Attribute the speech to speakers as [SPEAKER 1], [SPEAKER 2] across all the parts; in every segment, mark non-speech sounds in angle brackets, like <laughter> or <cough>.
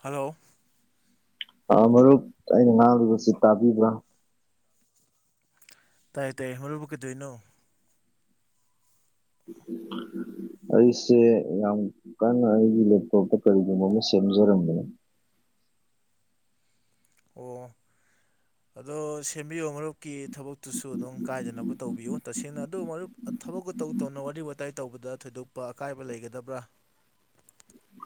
[SPEAKER 1] hello
[SPEAKER 2] ꯃꯔꯨꯞ ꯑꯩꯅ ꯉꯥꯡꯔꯤꯕꯁꯤ ꯇꯥꯕꯤꯕ꯭ꯔꯥ
[SPEAKER 1] ꯇꯥꯏ ꯇꯥꯏꯌꯦ ꯃꯔꯨꯞꯕꯨ ꯀꯩꯗꯣꯏꯅꯣ <inaudible>
[SPEAKER 2] ꯑꯩꯁꯦ ꯌꯥꯝ ꯀꯟꯅ ꯑꯩꯒꯤ ꯂꯦꯞꯇꯣꯞꯇ ꯀꯔꯤꯒꯨꯝꯕ ꯑꯃ ꯁꯦꯝꯖꯔꯝꯕꯅꯦ
[SPEAKER 1] ꯑꯣ ꯑꯗꯣ ꯁꯦꯝꯕꯤꯌꯨ ꯃꯔꯨꯞꯀꯤ ꯊꯕꯛꯇꯨꯁꯨ ꯑꯗꯨꯝ ꯀꯥꯏꯗꯅꯕ ꯇꯧꯕꯤꯌꯨ ꯇꯁꯦꯡꯅ ꯑꯗꯨ ꯃꯔꯨꯞ ꯊꯕꯛꯀ ꯃꯇꯧ ꯇꯧꯅ ꯋꯥꯔꯤ ꯋꯥꯇꯥꯏ ꯇꯧꯕꯗ ꯊꯣꯏꯗꯣꯛꯄ ꯑꯀꯥꯏꯕ ꯂꯩꯒꯗꯕ꯭ꯔꯥ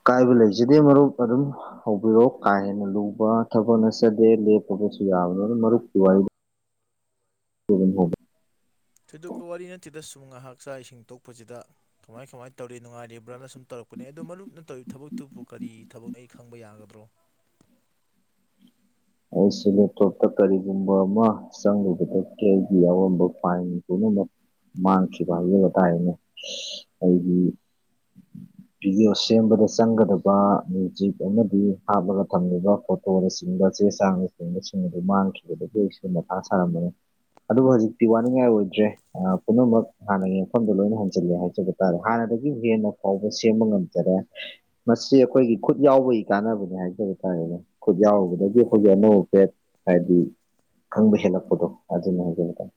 [SPEAKER 2] ꯀꯥꯏꯕ ꯂꯩꯖꯗꯦ ꯃꯔꯨꯞ ꯑꯗꯨꯝ ꯍꯧꯕꯤꯔꯛꯑꯣ ꯀꯥ ꯍꯦꯟꯅ ꯂꯨꯕ ꯊꯕꯛ ꯅꯠꯆꯗꯦ ꯂꯦꯞꯄꯕꯁꯨ ꯌꯥꯕꯅꯤ ꯑꯗꯨ ꯃꯔꯨꯞꯀꯤ ꯋꯥꯔꯤꯗ ꯎꯝ ꯍꯝ <inaudible>
[SPEAKER 1] ꯊꯣꯏꯗꯣꯛꯄ ꯋꯥꯔꯤ ꯅꯠꯇꯦꯗ ꯁꯨꯝ ꯉꯥꯏꯍꯥꯛ ꯆꯥꯛ ꯏꯁꯤꯡ ꯇꯣꯛꯄꯁꯤꯗ ꯀꯃꯥꯏ ꯀꯃꯥꯏꯅ ꯇꯧꯔꯤ ꯅꯨꯡꯉꯥꯏꯔꯤꯕ꯭ꯔꯥꯅ ꯁꯨꯝ ꯇꯧꯔꯛꯅꯦ ꯑꯗꯣ ꯃꯔꯨꯞꯅ ꯇꯧꯔꯤꯕ ꯊꯕꯛꯇꯨꯕꯨ ꯀꯔꯤ ꯊꯕꯛꯅ ꯑꯩ ꯈꯪꯕ ꯌꯥꯒꯗ꯭ꯔꯣ
[SPEAKER 2] ꯑꯩꯁꯦ ꯂꯦꯞꯇꯣꯞꯇ ꯀꯔꯤꯒꯨꯝꯕ ꯑꯃ ꯆꯪꯉꯨꯕꯗꯒꯤ ꯌꯥꯎꯔꯝꯕ ꯐꯥꯏꯟ ꯄꯨꯝꯅꯃꯛ ꯃꯥꯡꯈꯤꯕ ꯍꯥꯏꯕꯗꯥꯥꯏꯅꯦ ꯑꯩꯒꯤ
[SPEAKER 1] <inaudible>
[SPEAKER 2] ꯕꯤꯗꯤꯑꯣ ꯁꯦꯝꯕꯗ ꯆꯪꯒꯗꯕ ꯃ꯭ꯌꯨꯖꯤꯛ ꯑꯃꯗꯤ ꯍꯥꯞꯂꯒ ꯊꯝꯂꯤꯕ ꯐꯣꯇꯣꯅꯆꯤꯡꯕ ꯆꯦ ꯆꯥꯡꯅꯆꯤꯡꯕꯁꯤꯡ ꯑꯗꯨ ꯃꯥꯡꯈꯤꯕꯗꯒꯤ ꯑꯩꯋꯨ ꯃꯊꯥ ꯁꯥꯔꯝꯕꯅꯤ ꯑꯗꯨꯕꯨ ꯍꯧꯖꯤꯛꯇꯤ ꯋꯥꯅꯤꯡꯉꯥꯏ ꯑꯣꯏꯗ꯭ꯔꯦ ꯄꯨꯝꯅꯃꯛ ꯍꯥꯟꯅꯒꯤ ꯃꯐꯝꯗꯣ ꯂꯣꯏꯅ ꯍꯟꯖꯤꯂꯦ ꯍꯥꯏꯖꯕ ꯇꯥꯔꯦ ꯍꯥꯟꯅꯗꯒꯤ ꯍꯦꯟꯅ ꯐꯥꯎꯕ ꯁꯦꯝꯕ ꯉꯝꯖꯔꯦ ꯃꯁꯤ ꯑꯩꯈꯣꯏꯒꯤ ꯈꯨꯠ ꯌꯥꯎꯕꯒꯤ ꯀꯥꯟꯅꯕꯅꯦ ꯍꯥꯏꯖꯕ ꯇꯥꯔꯦꯅꯦ ꯈꯨꯠ ꯌꯥꯎꯔꯨꯕꯗꯒꯤ
[SPEAKER 1] ꯑꯣ
[SPEAKER 2] ꯑꯣꯀꯦ ꯍꯥꯏꯗꯤ ꯈꯪꯕ ꯍꯦꯜꯂꯛꯄꯗꯣ ꯑꯗꯨꯅꯦ ꯍꯥꯏꯖꯕ ꯇꯥꯏ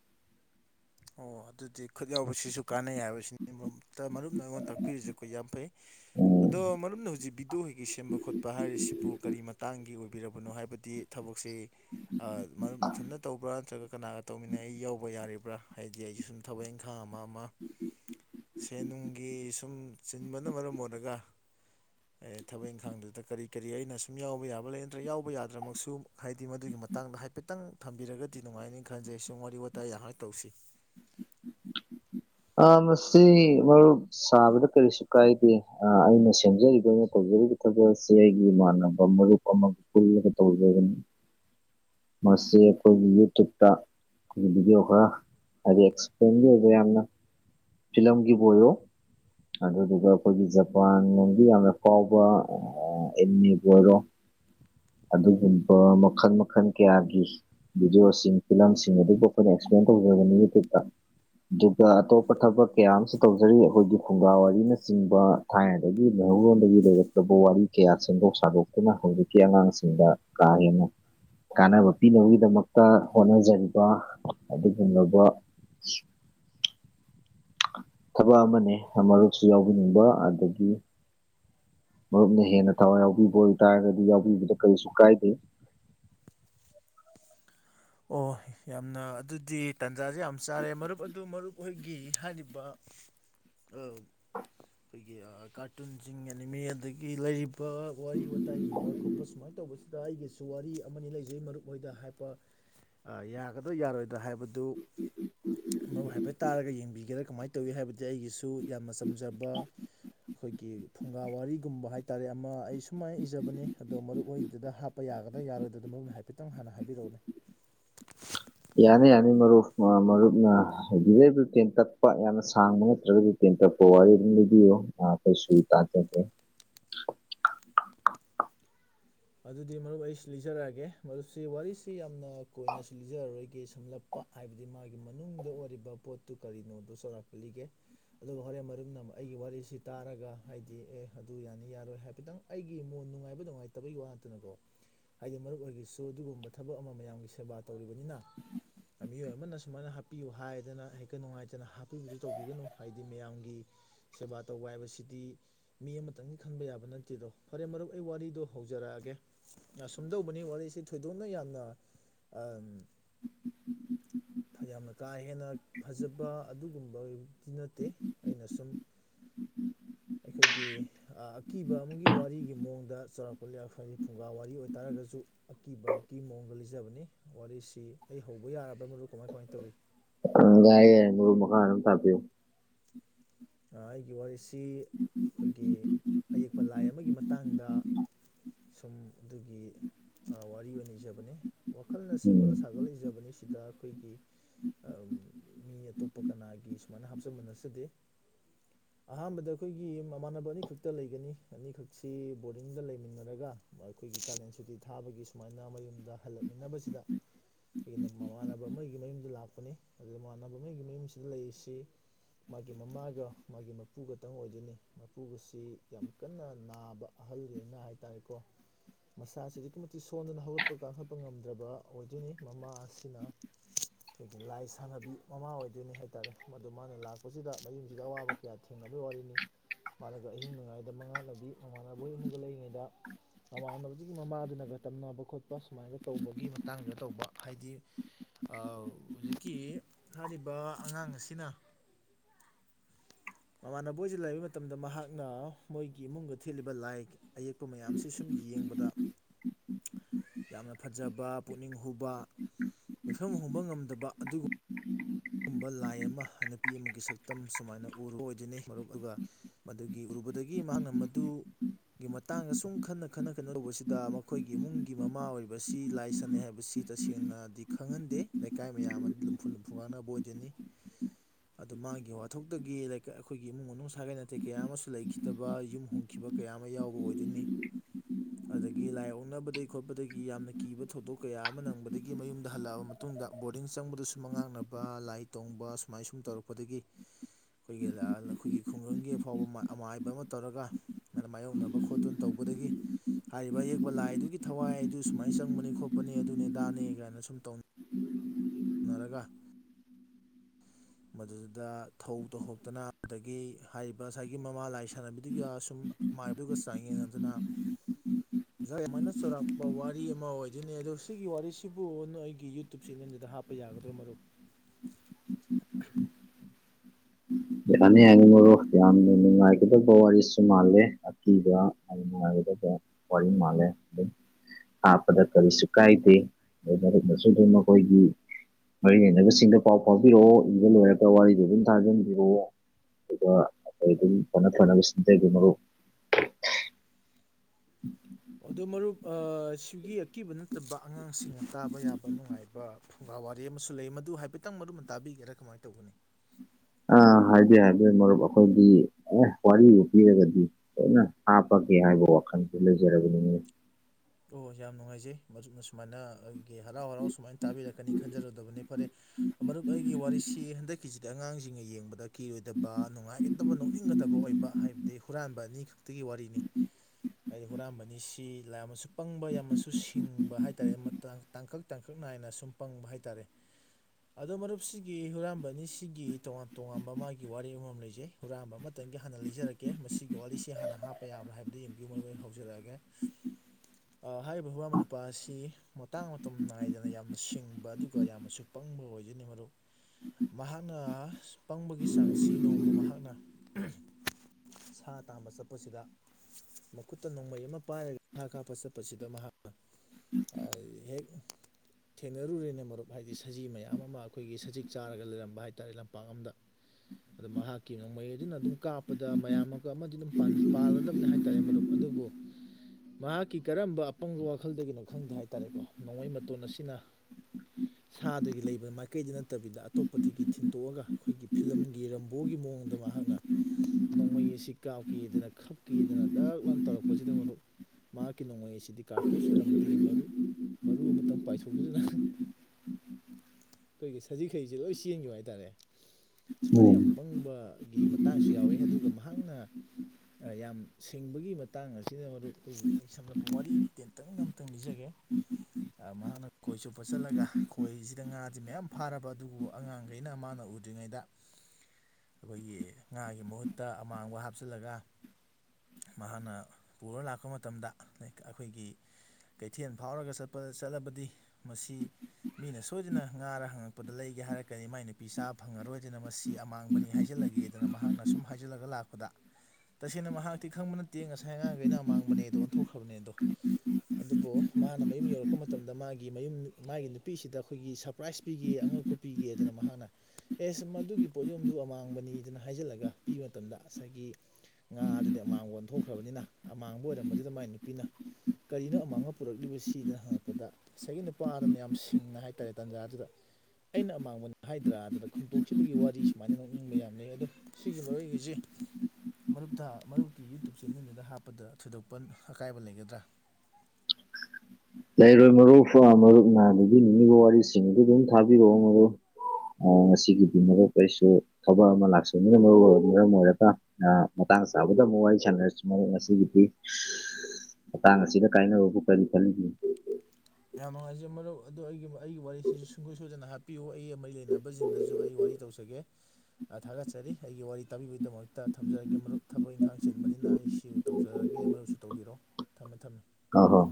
[SPEAKER 1] ꯑꯣ ꯑꯗꯨꯗꯤ ꯈꯨꯠ ꯌꯥꯎꯕꯁꯤꯁꯨ ꯀꯥꯟꯅꯩ ꯍꯥꯏꯕꯁꯤꯅꯤ ꯃ__ ꯇ ꯃꯔꯨꯞꯅ ꯑꯩꯉꯣꯟꯗ ꯇꯥꯛꯄꯤꯔꯤꯁꯦ ꯑꯩꯉꯣꯟꯗ ꯌꯥꯝ ꯐꯩ
[SPEAKER 2] ꯎꯝ
[SPEAKER 1] ꯑꯗꯣ ꯃꯔꯝꯅ ꯍꯧꯖꯤꯛ ꯚꯤꯗꯤꯑꯣ ꯍꯒꯤ ꯁꯦꯝꯕ ꯈꯣꯠꯄ ꯍꯥꯏꯔꯤꯁꯤꯕꯨ ꯀꯔꯤ ꯃꯇꯥꯡꯒꯤ ꯑꯣꯏꯕꯤꯔꯕꯅꯣ ꯍꯥꯏꯕꯗꯤ ꯊꯕꯛꯁꯤꯨꯞ ꯃꯊꯟꯇ ꯇꯧꯕ꯭ꯔꯥ ꯅꯠꯇ꯭ꯔꯒ ꯀꯅꯥꯒ ꯇꯧꯃꯤꯟꯅꯩ ꯑꯩ ꯌꯥꯎꯕ ꯌꯥꯔꯤꯕ꯭ꯔꯥ ꯍꯥꯏꯗꯤ ꯑꯩꯁꯨ ꯁꯨꯝ ꯊꯕꯛ ꯏꯪꯈꯥꯡ ꯑꯃ ꯑꯃ ꯁꯦꯟ ꯅꯨꯡꯒꯤ ꯁꯨꯝ ꯆꯤꯟꯕꯅ ꯃꯔꯝ ꯑꯣꯏꯔꯒ ꯊꯕꯛ ꯏꯪꯈꯥꯡꯗꯨꯗ ꯀꯔꯤ ꯀꯔꯤ ꯑꯩꯅ ꯁꯨꯝ ꯌꯥꯎꯕ ꯌꯥꯕ ꯂꯩ ꯅꯠꯇ꯭ꯔ ꯌꯥꯎꯕ ꯌꯥꯗ꯭ꯔꯃꯛꯁꯨ ꯍꯥꯏꯗꯤ ꯃꯗꯨꯒꯤ ꯃꯇꯥꯡꯗ ꯍꯥꯏ ꯍꯥꯏꯐꯦꯠꯇꯪ ꯊꯝꯕꯤꯔꯒꯗꯤ ꯅꯨꯡꯉꯥꯏꯅꯤ ꯈꯟꯖꯩ ꯁꯨꯝ ꯋꯥꯔꯤ ꯋꯥꯇꯥꯏ ꯉꯥꯢꯍꯥꯛ ꯇꯧꯁꯤ
[SPEAKER 2] ꯑ ꯃꯁꯤ ꯃꯔꯨꯞ ꯁꯥꯕꯗ ꯀꯔꯤꯁꯨ ꯀꯥꯏꯗꯦ ꯑꯩꯅ ꯁꯦꯝꯖꯔꯤꯕ ꯑꯩꯅ ꯇꯧꯖꯔꯤꯕ ꯊꯕꯛ ꯑꯁꯤ ꯑꯩꯒꯤ ꯏꯃꯥꯟꯅꯕ ꯃꯔꯨꯞ ꯑꯃꯒ ꯄꯨꯜꯂꯒ ꯇꯧꯖꯕꯅꯤ ꯃꯁꯤ ꯑꯩꯈꯣꯏꯒꯤ ꯌꯨꯇꯕꯇ ꯒꯤ ꯚꯤꯗꯤꯑꯣ ꯈꯔ ꯍꯥꯏꯗꯤ ꯑꯦꯛꯁꯄꯦꯟꯗꯤ ꯑꯣꯏꯕ ꯌꯥꯝꯅ ꯐꯤꯂꯝꯒꯤꯕꯨ ꯑꯣꯏꯔꯣ ꯑꯗꯨꯗꯨꯒ ꯑꯩꯈꯣꯏꯒꯤ ꯖꯄꯥꯟꯝꯒꯤ ꯌꯥꯝꯅ ꯐꯥꯎꯕ ꯑꯦꯅꯤꯃꯦꯕꯨ ꯑꯣꯏꯔꯣ
[SPEAKER 1] <inaudible>
[SPEAKER 2] ꯑꯗꯨꯒꯨꯝꯕ ꯃꯈꯜ ꯃꯈꯜ ꯀꯌꯥꯒꯤ ꯚꯤꯗꯤꯑꯣꯁꯤꯡ ꯐꯤꯂꯝꯁꯤꯡ ꯑꯗꯨꯕꯨ ꯑꯩꯈꯣꯏꯅ ꯑꯦꯛꯁꯄ꯭ꯂꯦꯟ ꯇꯧꯖꯕꯅꯤ ꯌꯨꯇꯨꯕꯇ ꯑꯗꯨꯒ ꯑꯇꯣꯞꯄ ꯊꯕꯛ ꯀꯌꯥ ꯑꯃꯁꯨ ꯇꯧꯖꯔꯤ ꯑꯩꯈꯣꯏꯒꯤ ꯐꯨꯡꯒꯥ ꯋꯥꯔꯤꯔꯤꯅꯆꯤꯡꯕ ꯊꯥꯏꯅꯗꯒꯤ ꯃꯩꯍꯧꯔꯣꯟꯗꯒꯤ ꯂꯩꯔꯛꯂꯕ ꯋꯥꯔꯤ ꯀꯌꯥ ꯁꯦꯝꯗꯣꯛ ꯁꯥꯗꯣꯛꯇꯨꯅ ꯍꯧꯖꯤꯛꯀꯤ ꯑꯉꯥꯡꯁꯤꯡꯗ ꯀꯥꯍꯦꯟꯅꯥ ꯀꯥꯟꯅꯕ ꯄꯤꯅꯕꯒꯤꯗꯃꯛꯇ ꯍꯣꯠꯅꯖꯔꯤꯕ ꯑꯗꯨꯒꯨꯝꯂꯕ ꯊꯕꯛ ꯑꯃꯅꯦ ꯃꯔꯨꯞꯁꯨ ꯌꯥꯎꯕꯤꯅꯤꯡꯕ ꯑꯗꯒꯤ ꯃꯔꯨꯞꯅ ꯍꯦꯟꯅ ꯊꯋꯥꯏ ꯌꯥꯎꯕꯤꯕ ꯑꯣꯏꯇꯥꯔꯒꯗꯤ ꯌꯥꯎꯕꯤꯕꯗ ꯀꯔꯤꯁꯨ ꯀꯥꯏꯗꯦ
[SPEAKER 1] ꯑꯣ ꯌꯥꯝꯅ ꯑꯗꯨꯗꯤ ꯇꯥꯟꯖꯥꯁꯦ ꯌꯥꯝ ꯆꯥꯔꯦ ꯃꯔꯨꯞ ꯑꯗꯨ ꯃꯔꯨꯞ ꯍꯣꯏꯒꯤ ꯍꯥꯏꯔꯤꯕ ꯑꯥ
[SPEAKER 2] <inaudible>
[SPEAKER 1] ꯑꯩꯈꯣꯏꯒꯤ ꯀꯥꯔꯇꯨꯟꯁꯤꯡꯤ ꯑꯦꯅꯤꯃꯦ ꯑꯗꯒꯤ ꯂꯩꯔꯤꯕ ꯋꯥꯔꯤ ꯋꯥꯇꯥꯏ ꯏꯕ ꯈꯣꯠꯄ ꯁꯨꯃꯥꯏꯅ ꯇꯧꯕꯁꯤꯗ ꯑꯩꯒꯤꯁꯨ ꯋꯥꯔꯤ ꯑꯃꯅꯤ ꯂꯩꯖꯩ ꯃꯔꯨꯞ ꯑꯣꯏꯗ ꯍꯥꯏꯄ ꯌꯥꯒꯗ꯭ꯔꯥ ꯌꯥꯔꯣꯏꯗ꯭ꯔꯥ ꯍꯥꯏꯕꯗꯨ ꯃꯔꯨꯞ ꯍꯥꯏꯐꯦꯠ ꯇꯥꯔꯒ ꯌꯦꯡꯕꯤꯒꯦꯔꯥ ꯀꯃꯥꯏꯅ ꯇꯧꯏꯤ ꯍꯥꯏꯕꯗꯤ ꯑꯩꯒꯤꯁꯨ ꯌꯥꯝꯅ ꯆꯝꯖꯕ ꯑꯩꯈꯣꯏꯒꯤ ꯐꯨꯡꯒꯥ ꯋꯥꯔꯤꯒꯨꯝꯕ ꯍꯥꯏꯇꯥꯔꯦ ꯑꯃ ꯑꯩ ꯁꯨꯃꯥꯏꯅ ꯏꯖꯕꯅꯤ ꯑꯗꯣ ꯃꯔꯨꯞ ꯑꯣꯏꯗꯨꯗ ꯍꯥꯞ ꯄ ꯌꯥꯒꯗ꯭ꯔ ꯌꯥꯔꯣꯏꯗ ꯑꯗꯨ ꯃꯔꯨꯅ ꯍꯥꯏꯐꯦꯠꯇꯪ ꯍꯥꯟꯅ ꯍꯥꯏꯕꯤꯔꯛꯎꯅꯦ
[SPEAKER 2] ꯌꯥꯅꯤ ꯌꯥꯅꯤ ꯃꯔꯨꯞ ꯃꯔꯨꯞꯅ ꯍꯧꯖꯤꯗꯗꯨ ꯇꯦꯟ ꯇꯞꯄ ꯌꯥꯝꯅ ꯁꯥꯡꯕ ꯅꯠꯇ꯭ꯔꯒꯗꯤ ꯇꯦꯟ ꯇꯞꯄ ꯋꯥꯔꯤ ꯑꯗꯨꯝ ꯂꯤꯕꯤꯌꯣ ꯑꯩꯁꯨ ꯇꯥꯖꯒꯦ
[SPEAKER 1] ꯑꯗꯨꯗꯤ ꯃꯔꯨꯞ ꯑꯩ ꯂꯤꯖꯔꯛꯑꯒꯦ ꯃꯔꯨꯞꯁꯤ ꯋꯥꯔꯤꯁꯤ ꯌꯥꯝꯅ ꯀꯣꯏꯅꯁꯨ ꯂꯤꯖꯔꯔꯣꯏꯒꯦ ꯁꯝꯂꯞꯄ ꯍꯥꯏꯕꯗꯤ ꯃꯥꯒꯤ ꯃꯅꯨꯡꯗ ꯑꯣꯏꯔꯤꯕ ꯄꯣꯠꯇꯨ ꯀꯔꯤꯅꯣꯗꯨ ꯆꯥꯎꯔꯥꯛꯄ ꯂꯤꯒꯦ ꯑꯗꯨꯒ ꯍꯣꯔꯦꯟ ꯃꯔꯨꯝꯅ ꯑꯩꯒꯤ ꯋꯥꯔꯤꯁꯤ ꯇꯥꯔꯒ ꯍꯥꯏꯗꯤ ꯑꯦ ꯑꯗꯨ ꯌꯥꯅꯤ ꯌꯥꯔꯣꯏ ꯍꯥꯏꯐꯦꯠꯇꯪ ꯑꯩꯒꯤ ꯃꯣꯟ ꯅꯨꯡꯉꯥꯏꯕ ꯅꯨꯡꯉꯥꯏꯇ ꯐꯠꯇꯕꯒꯤ ꯋꯥ ꯅꯠꯇꯅꯀꯣ ꯍꯥꯏꯗꯤ ꯃꯔꯨꯞ ꯑꯣꯏꯒꯁꯨ ꯑꯗꯨꯒꯨꯝꯕ ꯊꯕꯛ ꯑꯃ ꯃꯌꯥꯝꯒꯤ ꯁꯦꯕꯥ ꯇꯧꯔꯤꯕꯅꯤꯅ ꯃꯤꯑꯣꯏ ꯑꯃꯅ ꯁꯨꯃꯥꯏꯅ ꯍꯥꯞꯄꯤꯌꯨ ꯍꯥꯏꯗꯅ ꯍꯦꯛꯇ ꯅꯨꯡꯉꯥꯏꯇꯅ ꯍꯥꯞꯄꯤꯕꯗꯨ ꯇꯧꯕꯤꯒꯅꯨ ꯍꯥꯏꯗꯤ ꯃꯌꯥꯝꯒꯤ ꯁꯦꯕꯥ ꯇꯧꯕ ꯍꯥꯏꯕꯁꯤꯗꯤ ꯃꯤ ꯑꯃꯇꯪꯗꯤ ꯈꯪꯕ ꯌꯥꯕ ꯅꯠꯇꯦꯗꯣ ꯐꯔꯦ ꯃꯔꯨꯞ ꯑꯩ ꯋꯥꯔꯤꯗꯣ ꯍꯧꯖꯔꯛꯑꯒꯦ ꯑꯁꯨꯝ ꯇꯧꯕꯅꯤ ꯋꯥꯔꯤꯁꯤ ꯊꯣꯏꯗꯣꯛꯅ ꯌꯥꯝꯅ ꯌꯥꯝꯅ ꯀꯥ ꯍꯦꯟꯅ ꯐꯖꯕ ꯑꯗꯨꯒꯨꯝꯕꯗꯤ ꯅꯠꯇꯦ ꯑꯩꯅ ꯁꯨꯝ ꯑꯩꯈꯣꯏꯒꯤ ꯑꯀꯤꯕ ꯑꯃꯒꯤ ꯋꯥꯔꯤꯒꯤ ꯃꯑꯣꯡꯗ ꯆꯥꯎꯔꯥꯛꯄ ꯍꯥꯏꯗꯤ ꯐꯨꯡꯒꯥ ꯋꯥꯔꯤ ꯑꯣꯏꯇꯥꯥꯔꯒꯁꯨ ꯑꯀꯤꯕꯒꯤ ꯃꯑꯣꯡꯗ ꯂꯤꯖꯕꯅꯤ ꯋꯥꯔꯤꯁꯤ ꯑꯩ ꯍꯧꯕ ꯌꯥꯔꯕ꯭ꯔ ꯃꯔꯨ ꯀꯃꯥꯏ ꯀꯃꯥꯏ ꯇꯧꯏ
[SPEAKER 2] ꯎꯝ ꯋꯥꯏꯌꯦ ꯃꯔꯨꯞ ꯃꯈꯥ ꯑꯗꯨꯝ ꯇꯥꯕꯤꯌꯨ
[SPEAKER 1] ꯑꯩꯒꯤ ꯋꯥꯔꯤꯁꯤ ꯑꯩꯈꯣꯏꯒꯤ ꯑꯌꯦꯛꯄ ꯂꯥꯏ ꯑꯃꯒꯤ ꯃꯇꯥꯡꯗ ꯁꯨꯝ ꯑꯗꯨꯒꯤ ꯋꯥꯔꯤ ꯑꯣꯏꯅ ꯏꯖꯕꯅꯦ ꯋꯥꯈꯜꯅ ꯁꯦꯝꯒꯠ
[SPEAKER 2] ꯎꯝ
[SPEAKER 1] ꯁꯥꯒꯠ ꯏꯖꯕꯅꯤ ꯁꯤꯗ ꯑꯩꯈꯣꯏꯒꯤ ꯃꯤ ꯑꯇꯣꯞꯄ ꯀꯅꯥꯒꯤ ꯁꯨꯃꯥꯏꯅ ꯍꯥꯞꯆꯟꯕ ꯅꯠꯆꯗꯦ ꯑꯍꯥꯟꯕꯗ ꯑꯩꯈꯣꯏꯒꯤ ꯃꯃꯥꯟꯅꯕ ꯑꯅꯤꯈꯛꯇ ꯂꯩꯒꯅꯤ ꯑꯅꯤꯈꯛꯁꯤ ꯕꯣꯔꯗꯤꯡꯗ ꯂꯩꯃꯤꯟꯅꯔꯒ ꯑꯩꯈꯣꯏꯒꯤ ꯆꯥꯂꯦꯟ ꯁꯨꯇꯤ ꯊꯥꯕꯒꯤ ꯁꯨꯃꯥꯏꯅ ꯃꯌꯨꯝꯗ ꯍꯜꯂꯛꯃꯤꯟꯅꯕꯁꯤꯗ ꯑꯩꯩꯅ ꯃꯃꯥꯟꯅꯕ ꯑꯃꯒꯤ ꯃꯌꯨꯝꯗ ꯂꯥꯛꯄꯅꯤ ꯑꯗꯨꯗ ꯏꯃꯥꯟꯅꯕ ꯑꯃꯒꯤ ꯃꯌꯨꯝꯁꯤꯗ ꯂꯩꯔꯤꯁꯤ ꯃꯥꯒꯤ ꯃꯃꯥꯒ ꯃꯥꯒꯤ ꯃꯄꯨ ꯈꯇꯪ ꯑꯣꯏꯗꯣꯏꯅꯤ ꯃꯄꯨꯒꯁꯤ ꯌꯥꯝ ꯀꯟꯅ ꯅꯥꯕ ꯑꯍꯜꯒꯤ ꯂꯩꯅꯥ ꯍꯥꯏ ꯇꯥꯔꯦꯀꯣ ꯃꯁꯥꯁꯤ ꯑꯗꯨꯛꯀꯤ ꯃꯇꯤꯛ ꯁꯣꯟꯗꯅ ꯍꯧꯒꯠꯄ ꯀꯥꯡꯈꯠꯄ ꯉꯝꯗ꯭ꯔꯕ ꯑꯣꯏꯗꯣꯏꯅꯤ ꯃꯃꯥ ꯑꯁꯤꯅ ꯑꯩꯈꯣꯏꯒꯤ ꯂꯥꯏ ꯁꯥꯟꯅꯕꯤ ꯃꯃꯥ ꯑꯣꯏꯗꯣꯏꯅꯤ ꯍꯥꯏꯇꯥꯥꯔꯦ ꯃꯗꯨ ꯃꯥꯅ ꯂꯥꯛꯄꯁꯤꯗ ꯃꯌꯨꯝꯁꯤꯗ ꯑꯋꯥꯕ ꯀꯌꯥ ꯊꯦꯡꯅꯕꯩ ꯋꯥꯔꯤꯅꯤ ꯃꯥꯅꯒ ꯑꯍꯤꯡ ꯅꯣꯡꯌꯥꯏꯗ ꯃꯪꯂꯥꯛꯅꯕꯤ ꯃꯃꯥꯟꯅꯕꯩ ꯏꯃꯨꯡꯗ ꯂꯩꯔꯤꯉꯩꯗ ꯃꯃꯥꯟꯅꯕꯗꯨꯒꯤ ꯃꯃꯥꯗꯨꯅꯒ ꯇꯝꯅꯕ ꯈꯣꯠꯄ ꯁꯨꯃꯥꯏꯒ ꯇꯧꯕꯒꯤ ꯃꯇꯥꯡꯗ ꯇꯧꯕ ꯍꯥꯏꯗꯤ ꯑꯥ ꯍꯧꯖꯤꯛꯀꯤ ꯍꯥꯏꯔꯤꯕ ꯑꯉꯥꯡ ꯑꯁꯤꯅ ꯃꯃꯥꯟꯅꯕꯣꯏꯁꯤ ꯂꯩꯕ ꯃꯇꯝꯗ ꯃꯍꯥꯛꯅ ꯃꯣꯏꯒꯤ ꯏꯃꯨꯡꯗ ꯊꯦꯠꯂꯤꯕ ꯂꯥꯏꯒ ꯑꯌꯦꯛꯄ ꯃꯌꯥꯝꯁꯤ ꯁꯨꯝ ꯌꯦꯡꯕꯗ ꯌꯥꯝꯅ ꯐꯖꯕ ꯄꯨꯛꯅꯤꯡ ꯍꯨꯕ ꯃꯤꯐꯝ ꯍꯨꯝꯕ ꯉꯝꯗꯕ ꯑꯗꯨꯒꯨꯝ ꯒꯨꯝꯕ ꯂꯥꯏ ꯑꯃ ꯅꯨꯄꯤ ꯑꯃꯒꯤ ꯁꯛꯇꯝ ꯁꯨꯃꯥꯏꯅ ꯎꯔꯨ ꯑꯣꯏꯗꯣꯏꯅꯤ ꯃꯔꯨꯞ ꯑꯗꯨꯒ ꯃꯗꯨꯒꯤ ꯎꯔꯨꯕꯗꯒꯤ ꯃꯍꯥꯛꯅ ꯃꯗꯨ ꯒꯤ ꯃꯇꯥꯡꯗꯁꯨꯝ ꯈꯟꯅ ꯈꯟꯅ ꯀꯟꯅ ꯇꯧꯕꯁꯤꯗ ꯃꯈꯣꯏꯒꯤ ꯏꯃꯨꯡꯒꯤ ꯃꯃꯥ ꯑꯣꯏꯔꯤꯕꯁꯤ ꯂꯥꯏ ꯁꯅꯩ ꯍꯥꯏꯕꯁꯤ ꯇꯁꯦꯡꯅꯗꯤ ꯈꯪꯍꯟꯗꯦ ꯂꯩꯀꯥꯏ ꯃꯌꯥꯝ ꯑꯗꯨ ꯂꯨꯝꯐꯨ ꯂꯨꯝꯐꯨ ꯉꯥꯡꯅꯕ ꯑꯣꯏꯗꯣꯏꯅꯤ ꯑꯗꯣ ꯃꯥꯒꯤ ꯋꯥꯊꯣꯛꯇꯒꯤ ꯀ ꯑꯩꯈꯣꯏꯒꯤ ꯏꯃꯨꯡ ꯃꯅꯨꯡ ꯁꯥꯒꯩ ꯅꯥꯇꯩ ꯀꯌꯥ ꯑꯃꯁꯨ ꯂꯩꯈꯤꯗꯕ ꯌꯨꯝ ꯍꯣꯡꯈꯤꯕ ꯀꯌꯥ ꯑꯃ ꯌꯥꯎꯕ ꯑꯣꯏꯗꯣꯏꯅꯤ ꯑꯗꯒꯤ ꯂꯥꯏ ꯑꯣꯛꯅꯕꯗꯒꯤ ꯈꯣꯠꯄꯗꯒꯤ ꯌꯥꯝꯅ ꯀꯤꯕ ꯊꯧꯗꯣꯛ ꯀꯌꯥ ꯑꯃ ꯅꯪꯕꯗꯒꯤ ꯃꯌꯨꯝꯗ ꯍꯜꯂꯛꯑꯕ ꯃꯠ ꯇꯨꯡꯗ ꯕꯣꯔꯗꯤꯡ ꯆꯪꯕꯗꯁꯨ ꯃꯪꯉꯥꯛꯅꯕ ꯂꯥꯏ ꯇꯣꯡꯕ ꯁꯨꯃꯥꯏ ꯁꯨꯝ ꯇꯧꯔꯛꯄꯗꯒꯤ ꯑꯩꯈꯣꯏꯒꯤ ꯂꯥꯏ ꯑꯥ ꯑꯩꯈꯣꯏꯒꯤ ꯈꯨꯡꯒꯪꯒꯤ ꯑꯐꯥꯎꯕ ꯃꯥꯏ ꯑꯃꯥꯏꯕ ꯑꯃ ꯇꯧꯔꯒ ꯃꯥꯅ ꯃꯥꯌꯣꯛꯅꯕ ꯈꯣꯠꯇꯨꯅ ꯇꯧꯕꯗꯒꯤ ꯍꯥꯏꯔꯤꯕ ꯑꯌꯦꯛꯄ ꯂꯥꯏ ꯑꯗꯨꯒꯤ ꯊꯋꯥꯏ ꯑꯗꯨ ꯁꯨꯃꯥꯏꯅ ꯆꯪꯕꯅꯤ ꯈꯣꯠꯄꯅꯤ ꯑꯗꯨꯅꯦ ꯗꯥꯅꯦ ꯀꯥꯏꯅ ꯁꯨꯝ ꯇꯧꯅ ꯎꯟꯅꯔꯒ ꯃꯗꯨꯗꯨꯗ ꯊꯧ ꯇꯧꯍꯣꯛꯇꯅ ꯑꯗꯒꯤ ꯍꯥꯏꯔꯤꯕ ꯉꯁꯥꯏꯒꯤ ꯃꯃꯥ ꯂꯥꯏ ꯁꯥꯟꯅꯕꯤꯗꯨꯒ ꯑꯁꯨꯝ ꯃꯥꯏꯗꯨꯒ ꯆꯥꯌꯦꯡꯅꯗꯨꯅ <unintelligible> ꯃꯥꯏꯅ ꯆꯥꯎꯔꯥꯛꯄ ꯋꯥꯔꯤ ꯑꯃ ꯑꯣꯏꯗꯣꯏꯅꯦ ꯑꯗꯣ ꯁꯤꯒꯤ ꯋꯥꯔꯤꯁꯤꯕꯨ ꯅ ꯑꯩꯒꯤ ꯌꯨꯇꯨꯕ ꯆꯦꯅꯦꯜꯗꯨꯗ ꯍꯥꯞ ꯄ ꯌꯥꯒꯗ꯭ꯔꯣ ꯃꯔꯨꯞ
[SPEAKER 2] <unintelligible> ꯌꯥꯝꯅ ꯅꯨꯡꯉꯥꯏꯒꯗꯧꯕ ꯋꯥꯔꯤꯁꯨ ꯃꯥꯜꯂꯦ ꯑꯀꯤꯕ <unintelligible> ꯋꯥꯔꯤ ꯃꯥꯜꯂꯦ ꯑꯗꯨꯝ ꯍꯥꯞꯄꯗ ꯀꯔꯤꯁꯨ ꯀꯥꯏꯗꯦ <unintelligible> ꯃꯔꯤ ꯂꯩꯅꯕꯁꯤꯡꯗ ꯄꯥꯎ ꯐꯥꯎꯕꯤꯔꯛꯑꯣ ꯏꯕ ꯂꯣꯏꯔꯒ ꯋꯥꯔꯤꯗꯨ ꯑꯗꯨꯝ ꯊꯥꯖꯟꯕꯤꯔꯛꯑꯣ ꯑꯗꯨꯒ ꯑꯩꯈꯣꯏ ꯑꯗꯨꯝ ꯐꯅ ꯐꯅꯕ ꯁꯤꯟꯖꯒꯦ ꯃꯔꯨꯞ <inaudible>
[SPEAKER 1] ꯑꯗꯣ ꯃꯔꯨꯞ ꯑꯥ ꯁꯤꯒꯤ ꯑꯀꯤꯕ ꯅꯠꯇꯕ ꯑꯉꯥꯡꯁꯤꯡꯅ ꯇꯥꯕ ꯌꯥꯕ ꯅꯨꯡꯉꯥꯏꯕ ꯐꯨꯡꯒꯥ ꯋꯥꯔꯤ ꯑꯃꯁꯨ ꯂꯩ ꯃꯗꯨ ꯍꯥꯏꯐꯦꯠꯇꯪ ꯃꯔꯨꯞꯅ ꯇꯥꯕꯤꯒꯦꯔꯥ ꯀꯃꯥꯏꯅ ꯇꯧꯒꯅꯤ
[SPEAKER 2] ꯑ ꯍꯥꯏꯕꯤꯌꯨ ꯍꯥꯏꯕꯤꯌꯨ ꯃꯔꯨꯞ ꯑꯩꯈꯣꯏꯗꯤ ꯑꯦ ꯋꯥꯔꯤ ꯄꯤꯔꯒꯗꯤ ꯂꯣꯏꯅ ꯍꯥꯞꯄꯒꯦ ꯍꯥꯏꯕ ꯋꯥꯈꯜꯗꯨ ꯂꯩꯖꯔꯕꯅꯤ ꯃꯔꯨꯞ
[SPEAKER 1] ꯑꯣ ꯌꯥꯝ ꯅꯨꯡꯉꯥꯏꯖꯩ ꯃꯔꯨꯞꯅ ꯁꯨꯃꯥꯏꯅ ꯑꯩꯒꯤ ꯍꯔꯥꯎ ꯍꯔꯥꯎ ꯁꯨꯃꯥꯏꯅ ꯇꯥꯕꯤꯔꯛꯀꯅꯤ ꯈꯟꯖꯔꯨꯗꯕꯅꯤ ꯐꯔꯦ ꯃꯔꯨꯞ ꯑꯩꯒꯤ ꯋꯥꯔꯤꯁꯤ ꯍꯟꯗꯛꯀꯤꯁꯤꯗꯤ ꯑꯉꯥꯡꯁꯤꯡꯅ ꯌꯦꯡꯕꯗ ꯀꯤꯔꯣꯏꯗꯕ ꯅꯨꯡꯉꯥꯏ ꯀꯩꯇꯧꯕ ꯅꯣꯛꯅꯤꯡꯒꯗꯕ ꯑꯣꯏꯕ ꯍꯥꯏꯕꯗꯤ ꯍꯨꯔꯥꯟꯕ ꯑꯅꯤ ꯈꯛꯇꯒꯤ ꯋꯥꯔꯤꯅꯤ ꯍꯥꯏꯗꯤ ꯍꯨꯔꯝꯕꯅꯤꯁꯤ ꯂꯥꯏꯃꯁꯨꯛ ꯄꯪꯕ ꯌꯥꯝꯅꯁꯨ ꯁꯤꯡꯕ ꯍꯥꯏꯇꯥꯔꯦ ꯃꯇꯥꯡ ꯇꯥꯡꯀꯛ ꯇꯥꯡꯀꯛ ꯅꯥꯏꯅ ꯁꯨꯝ ꯄꯪꯕ ꯍꯥꯏꯇꯥꯥꯔꯦ ꯑꯗꯣ ꯃꯔꯨꯞꯁꯤꯒꯤ ꯍꯨꯔꯥꯝꯕꯅꯤꯁꯤꯒꯤ ꯇꯣꯉꯥꯟ ꯇꯣꯉꯥꯟꯕ ꯃꯥꯒꯤ ꯋꯥꯔꯦꯞ ꯑꯃꯃꯝ ꯂꯩꯖꯩ ꯍꯨꯔꯥꯟꯕ ꯑꯃꯇꯪꯒꯤ ꯍꯥꯟꯅ ꯂꯤꯖꯔꯛꯀꯦ ꯃꯁꯤꯒꯤ ꯋꯥꯔꯤꯁꯤ ꯍꯥꯟꯅ ꯍꯥꯞꯄ ꯌꯥꯕ꯭ꯔꯥ ꯍꯥꯏꯕꯗꯨ ꯌꯦꯡꯕꯤꯌꯨ ꯃꯔꯨꯞ ꯑꯩ ꯍꯧꯖꯔꯛꯑꯒꯦ ꯑꯥ ꯍꯥꯏꯔꯤꯕ ꯍꯨꯔꯥꯟꯕ ꯅꯨꯨꯄꯥ ꯑꯁꯤ ꯃꯇꯥꯡ ꯃꯇꯝ ꯅꯥꯏꯗꯅ ꯌꯥꯝꯅ ꯁꯤꯡꯕ ꯑꯗꯨꯒ ꯌꯥꯝꯅꯁꯨ ꯄꯪꯕ ꯑꯣꯏꯗꯣꯏꯅꯤ ꯃꯔꯨꯞ ꯃꯍꯥꯛꯅ ꯄꯪꯕꯒꯤ ꯆꯥꯡꯁꯤ ꯅꯣꯡꯃ ꯃꯍꯥꯛꯅ ꯁꯥ ꯇꯥꯟꯕ ꯆꯠꯄꯁꯤꯗ ꯃꯈꯨꯠꯇ ꯅꯣꯡꯃꯩ ꯑꯃ ꯄꯥꯏꯔꯒ ꯁꯥ ꯀꯥꯞꯄ ꯆꯠꯄꯁꯤꯗ ꯃꯍꯥꯛ ꯑꯥ ꯍꯦꯛ ꯊꯦꯡꯅꯔꯨꯔꯦꯅ ꯃꯔꯨꯞ ꯍꯥꯏꯗꯤ ꯁꯖꯤ ꯃꯌꯥꯝ ꯑꯃ ꯑꯩꯈꯣꯏꯒꯤ ꯁꯖꯤꯛ ꯆꯥꯔꯒ ꯂꯩꯔꯝꯕ ꯍꯥꯏꯇꯥꯥꯔꯦ ꯂꯝꯄꯥꯛ ꯑꯃꯗ ꯑꯗꯣ ꯃꯍꯥꯛꯀꯤ ꯅꯣꯡꯃꯩ ꯑꯗꯨꯅ ꯑꯗꯨꯝ ꯀꯥꯞꯄꯗ ꯃꯌꯥꯝꯃ ꯑꯃꯗꯤ ꯑꯗꯨꯝ ꯄꯥꯜꯂꯗꯕꯅꯤ ꯍꯥꯏ <unintelligible> ꯃꯔꯨꯞ ꯑꯗꯨꯕꯨ ꯃꯍꯥꯛꯀꯤ ꯀꯔꯝꯕ ꯑꯄꯪꯕ ꯋꯥꯈꯜꯗꯒꯤꯅꯣ ꯈꯪꯗꯦ ꯍꯥꯏꯇꯥꯥꯔꯦꯀꯣ ꯅꯣꯡꯃꯩ ꯃꯇꯣꯟ ꯑꯁꯤꯅ ꯁꯥꯗꯒꯤ ꯂꯩꯕ ꯃꯥꯏꯀꯩꯗ ꯅꯠꯇꯕꯤꯗ ꯑꯇꯣꯞꯄꯗꯒꯤ ꯊꯤꯟꯇꯣꯛꯑꯒ ꯑꯩꯈꯣꯏꯒꯤ ꯐꯤꯂꯝꯒꯤ ꯔꯝꯕꯣꯒꯤ ꯃꯑꯣꯡꯗ ꯃꯍꯥꯛꯅ ꯅꯣꯡꯃꯩ ꯑꯁꯤ ꯀꯥꯞꯀꯦꯗꯅ ꯈꯞꯀꯦꯗꯅ ꯗꯛ ꯂꯥꯎꯅ ꯇꯧꯔꯛꯄꯁꯤꯗ ꯃꯔꯨꯞ ꯃꯍꯥꯛꯀꯤ ꯅꯣꯡꯃꯩ ꯑꯁꯤꯗꯤ ꯀꯥꯔꯇꯨꯁ ꯑꯣꯏꯔꯝꯕ ꯑꯗꯒꯤ ꯃꯔꯨꯞ ꯃꯔꯨ ꯑꯃꯇꯪ ꯄꯥꯏꯊꯣꯛꯈꯤꯗꯅ ꯑꯩꯈꯣꯏꯒꯤ ꯁꯖꯤꯛꯈꯩꯁꯦ ꯂꯣꯏ ꯆꯦꯟꯈꯤꯕ ꯍꯥꯏꯇꯥꯔꯦ ꯁꯨꯃꯥꯏꯅ
[SPEAKER 2] ꯎꯝ
[SPEAKER 1] ꯌꯥꯝ ꯄꯪꯕꯒꯤ ꯃꯇꯥꯡꯁꯨ ꯌꯥꯎꯋꯦ ꯑꯗꯨꯒ ꯃꯍꯥꯛꯅ ꯌꯥꯝ ꯁꯤꯡꯕꯒꯤ ꯃꯇꯥꯡ ꯑꯁꯤꯅ ꯃꯔꯨꯞ ꯑꯩꯈꯣꯏꯒꯤ ꯑꯩ ꯁꯝꯂꯄ ꯋꯥꯔꯤ ꯇꯦꯟꯇꯪ ꯑꯃ ꯇꯪ ꯂꯤꯖꯒꯦ ꯃꯍꯥꯛꯅ ꯈꯣꯏꯆꯨꯞꯄ ꯆꯠꯂꯒ ꯈꯣꯏꯁꯤꯗ ꯉꯥꯖꯤ ꯃꯌꯥꯝ ꯐꯥꯔꯕ ꯑꯗꯨꯕꯨ ꯑꯉꯥꯡꯒꯩꯅ ꯃꯥꯅ ꯎꯗ꯭ꯔꯤꯉꯩꯗ ꯑꯩꯈꯣꯏꯒꯤ ꯉꯥꯒꯤ ꯃꯍꯨꯠꯇ ꯑꯃꯥꯡꯕ ꯍꯥꯞꯆꯤꯜꯂꯒ ꯃꯍꯥꯛꯅ ꯄꯨꯔ ꯂꯥꯛꯄ ꯃꯇꯝꯗ ꯑꯩꯈꯣꯏꯒꯤ ꯀꯩꯊꯦꯜ ꯐꯥꯎꯔꯒ ꯆꯠꯄ ꯆꯠꯂꯕꯗꯤ ꯃꯁꯤ ꯃꯤꯅ ꯁꯣꯏꯗꯅ ꯉꯥꯔ ꯍꯪꯉꯛꯄꯗ ꯂꯩꯒꯦ ꯍꯥꯏꯔꯛꯀꯅꯤ ꯃꯥꯏ ꯅꯨꯄꯤ ꯆꯥꯕ ꯐꯪꯉꯔꯣꯏꯗꯅ ꯃꯁꯤ ꯑꯃꯥꯡꯕꯅꯤ ꯍꯥꯏꯖꯜꯂꯒꯦ ꯑꯗꯨꯅ ꯃꯍꯥꯛꯅ ꯁꯨꯝ ꯍꯥꯏꯖꯤꯜꯂꯒ ꯂꯥꯛꯄꯗ ꯇꯁꯦꯡꯅ ꯃꯍꯥꯛꯇꯤ ꯈꯪꯕ ꯅꯠꯇꯦ ꯉꯁꯥꯏ ꯑꯉꯥꯡꯈꯩꯅ ꯑꯃꯥꯡꯕꯅꯦꯗꯣ ꯑꯣꯟꯊꯣꯛꯈ꯭ꯔꯕꯅꯦꯗꯣ ꯑꯗꯨꯕꯨ ꯃꯥꯅ ꯃꯌꯨꯝ ꯌꯧꯔꯛꯄ ꯃꯇꯝꯗ ꯃꯥꯒꯤ ꯃꯌꯨꯝ ꯃꯥꯒꯤ ꯅꯨꯄꯤꯁꯤꯗ ꯑꯩꯈꯣꯏꯒꯤ ꯁꯔꯄ꯭ꯔꯥꯏꯁ ꯄꯤꯒꯦ ꯑꯉꯛꯄ ꯄꯤꯒꯦꯗꯅ ꯃꯍꯥꯛꯅ ꯑꯦꯁ ꯃꯗꯨꯒꯤ ꯄꯣꯠꯌꯣꯝꯗꯨ ꯑꯃꯥꯡꯕꯅꯤꯗꯅ ꯍꯥꯏꯖꯤꯜꯂꯒ ꯄꯤꯕ ꯃꯇꯝꯗ ꯉꯁꯥꯏꯒꯤ ꯉꯥ ꯑꯗꯨꯗꯤ ꯑꯃꯥꯡꯕ ꯑꯣꯟꯊꯣꯛꯈ꯭ꯔꯕꯅꯤꯅ ꯑꯃꯥꯡꯕ ꯑꯣꯏꯔꯝꯕꯗꯨꯗ ꯃꯥꯏ ꯅꯨꯄꯤꯅ ꯀꯔꯤꯅꯣ ꯑꯃꯥꯡꯕ ꯄꯨꯔꯛꯂꯤꯕꯁꯤꯗꯅ ꯍꯪꯉꯛꯄꯗ ꯉꯁꯥꯏꯒꯤ ꯅꯨꯄꯥꯗꯅ ꯌꯥꯝ ꯁꯤꯡꯅ ꯍꯥꯏꯇꯥꯔꯦ ꯇꯥꯟꯖꯥꯗꯨꯗ ꯑꯩꯅ ꯑꯃꯥꯡꯕꯅꯤ ꯍꯥꯏꯗ꯭ꯔꯥꯗꯅ ꯈꯨꯝꯇꯣꯛꯈꯤꯕꯒꯤ ꯋꯥꯔꯤ ꯁꯨꯃꯥꯏꯅ ꯅꯣꯛꯅꯤꯡꯕ ꯌꯥꯝ ꯂꯩ ꯑꯗꯣ ꯁꯤꯒꯤ ꯃꯔꯣꯏꯒꯩꯖꯦ ꯃꯔꯨꯞꯇ ꯃꯔꯨꯞꯀꯤ ꯌꯨꯇꯨꯞ ꯆꯦꯅꯦꯜꯗꯨꯗ ꯍꯥꯞꯄꯗ ꯊꯣꯏꯗꯣꯛꯄ ꯑꯀꯥꯏꯕ ꯂꯩꯒꯗ꯭ꯔꯥ
[SPEAKER 2] ꯂꯩꯔꯣꯏ ꯃꯔꯨꯞ ꯐꯥ ꯃꯔꯨꯞꯅ ꯂꯤꯕꯤꯅꯤꯡꯉꯤꯕ ꯋꯥꯔꯤꯁꯤꯡꯗꯨ ꯑꯗꯨꯝ ꯊꯥꯕꯤꯔꯛꯑꯣ ꯃꯔꯨꯞ ꯑꯥ ꯉꯁꯤꯒꯤꯗꯤ ꯃꯔꯨꯞ ꯑꯩꯁꯨ ꯊꯕꯛ ꯑꯃ ꯂꯥꯛꯆꯕꯅ ꯃꯔꯨ ꯑꯣꯏꯕꯅ ꯃꯔꯝ ꯑꯣꯏꯔꯒ ꯑꯥ ꯃꯇꯥꯡ ꯆꯥꯕꯗ ꯑꯃꯨꯛ ꯋꯥꯔꯤ ꯁꯥꯟꯅꯔꯁꯤ ꯃꯔꯨꯞ ꯉꯁꯤꯒꯤꯗꯤ ꯃꯇꯥꯡ ꯑꯁꯤꯗ ꯀꯥꯏꯅꯕꯕꯨ ꯀꯔꯤ ꯈꯜꯂꯤꯒꯦ
[SPEAKER 1] ꯌꯥꯝ ꯅꯨꯡꯉꯥꯏꯖꯩ ꯃꯔꯨꯞ ꯑꯗꯣ ꯑꯩꯒꯤ ꯑꯩꯒꯤ ꯋꯥꯔꯤꯁꯤꯁꯨ ꯁꯨꯡꯁꯣꯏ ꯁꯣꯏꯗꯅ ꯍꯥꯞꯄꯤꯌꯨ ꯑꯩꯒ ꯃꯔꯤ ꯂꯩꯅꯕꯁꯤꯡꯗꯁꯨ ꯑꯩ ꯋꯥꯔꯤ ꯇꯧꯖꯒꯦ <unintelligible> ꯊꯥꯒꯠꯆꯔꯤ ꯑꯩꯒꯤ ꯋꯥꯔꯤ ꯇꯥꯕꯤꯕꯒꯤꯗꯃꯛꯇ ꯊꯝꯖꯔꯒꯦ ꯃꯔꯨꯞ ꯊꯕꯛ ꯏꯪꯈꯥꯡ ꯆꯤꯟꯕꯅꯤꯅ ꯑꯩꯁꯨ ꯇꯧꯖꯔꯒꯦ ꯃꯔꯨꯞꯁꯨ ꯇꯧꯕꯤꯔꯣ ꯊꯝꯃꯦ ꯊꯝꯃꯦ
[SPEAKER 2] ꯑꯥ ꯑꯥ